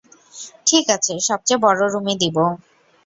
ঠিক আছে, সবচেয়ে বড় রুমই দিবো।